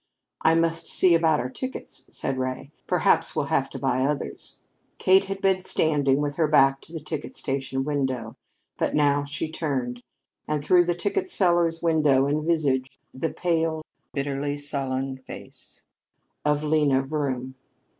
"I must see about our tickets," said Ray. "Perhaps we'll have to buy others." Kate had been standing with her back to the ticket station window, but now she turned, and through the ticker seller's window envisaged the pale, bitterly sullen face of Lena Vroom.